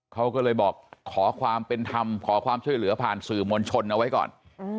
เขาก็เลยบอกขอความเป็นธรรมขอความช่วยเหลือผ่านสื่อมวลชนเอาไว้ก่อน